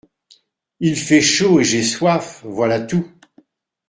Il fait chaud, et j'ai soif, voilà tout.